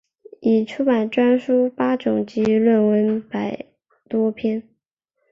已出版专书八种及论文百多篇。